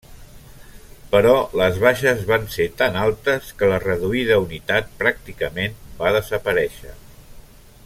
Però les baixes van ser tan altes que la reduïda unitat pràcticament va desaparèixer.